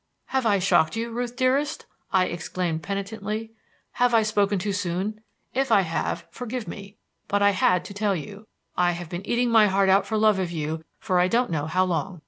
"Have I shocked you, Ruth dearest?" I exclaimed penitently, "have I spoken too soon? If I have, forgive me. But I had to tell you. I have been eating my heart out for love of you for I don't know how long.